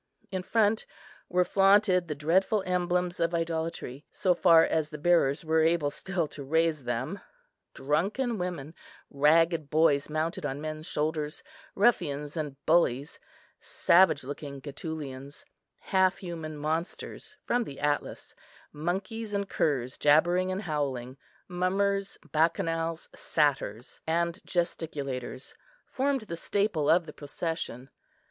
In front were flaunted the dreadful emblems of idolatry, so far as their bearers were able still to raise them. Drunken women, ragged boys mounted on men's shoulders, ruffians and bullies, savage looking Getulians, half human monsters from the Atlas, monkeys and curs jabbering and howling, mummers, bacchanals, satyrs, and gesticulators, formed the staple of the procession.